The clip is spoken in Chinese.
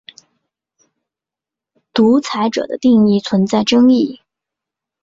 独裁者的定义存在争议。